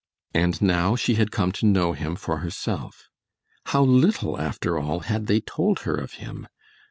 And now she had come to know him for herself! How little after all had they told her of him.